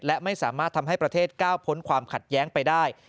และไม่สามารถทำให้ประเทศก้าวพ้นความขัดแย้งไปได้